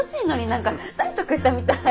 何か催促したみたい！